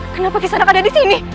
kenapa kisanak ada disini